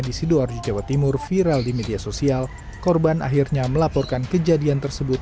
di sidoarjo jawa timur viral di media sosial korban akhirnya melaporkan kejadian tersebut